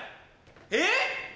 えっ？